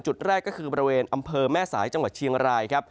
จุดแรกก็คือบริเวณอำเภอแม่สายจังหวัดเชียงรายครับ